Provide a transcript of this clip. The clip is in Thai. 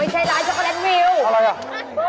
เอออุ๊ยพี่ฉันไม่มีเงินซื้อหรอกช็อกโกแลตวิว